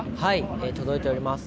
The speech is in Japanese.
届いております。